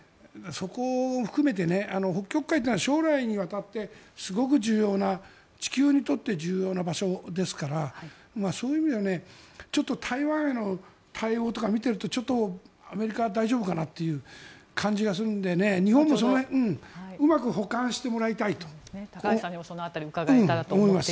そこを含めて北極海というのは将来にわたってすごく重要な地球にとって重要な場所ですからそういう意味ではちょっと台湾への対応とかを見ているとちょっとアメリカは大丈夫かなという感じがするので日本もうまく補完してもらいたいと思います。